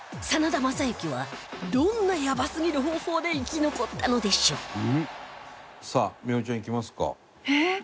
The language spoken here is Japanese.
真田昌幸はどんなやばすぎる方法で生き残ったのでしょう？